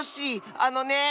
あのね。